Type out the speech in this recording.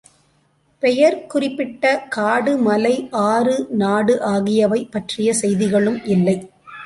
பெயர் குறிப்பிட்ட காடு, மலை, ஆறு, நாடு ஆகியவை பற்றிய செய்திகளும் இல்லை.